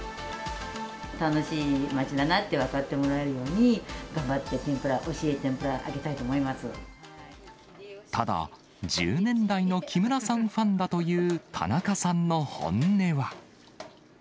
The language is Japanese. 楽しい街だなって分かってもらえるように、頑張って天ぷら、おいしい天ぷら揚げたいと思いまただ、１０年来の木村さんのファンだという田中さんの本音は。